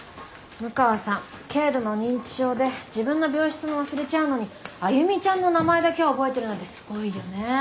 六川さん軽度の認知症で自分の病室も忘れちゃうのに歩ちゃんの名前だけは覚えてるなんてすごいよね。